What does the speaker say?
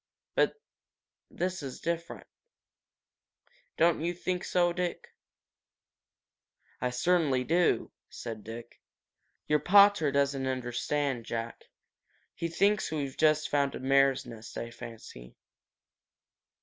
But this is different. Don't you think so, Dick?" "I certainly do," said Dick. "Your pater doesn't understand, Jack. He thinks we've just found a mare's nest, I fancy."